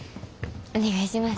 お願いします。